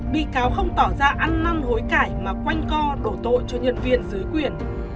bị cáo không tỏ ra ăn năn hối cải mà quanh co đổ tội cho nhân viên dưới quyền